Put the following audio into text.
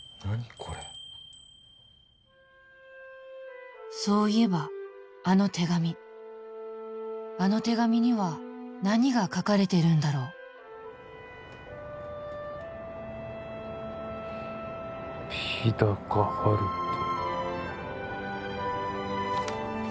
これそういえばあの手紙あの手紙には何が書かれてるんだろう「日高はると」